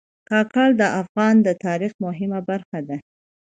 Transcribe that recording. کاکړ د افغان تاریخ مهمه برخه دي.